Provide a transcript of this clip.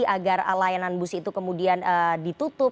agar layanan bus itu kemudian ditutup